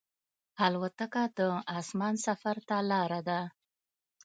الوتکه د اسمان سفر ته لاره ده.